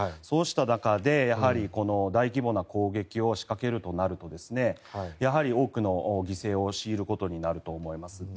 そうした中で大規模な攻撃を仕掛けるとなるとやはり多くの犠牲を強いることになると思います。